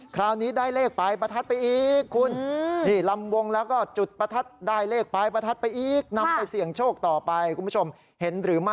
คราวนี้ได้เลขปลายประทัดไปอีกคุณ